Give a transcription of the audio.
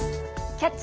「キャッチ！